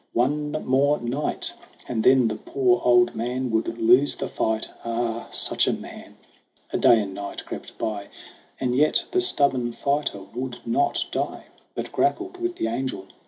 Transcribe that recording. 'One more night, And then the poor old man would lose the fight Ah, such a man !' A day and night crept by, And yet the stubborn fighter would not die, But grappled with the angel.